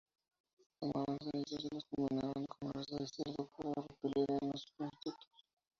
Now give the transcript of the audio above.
Tomaban cenizas y las combinaban con grasa de cerdo para repeler a estos insectos.